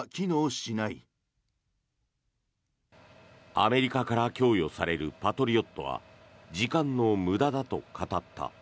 アメリカから供与されるパトリオットは時間の無駄だと語った。